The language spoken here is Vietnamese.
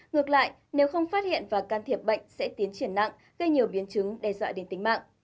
ngược lại nếu không phát hiện và can thiệp bệnh sẽ tiến triển nặng gây nhiều biến chứng đe dọa đến tính mạng